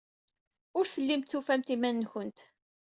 Ur tellimt tufamt iman-nwent.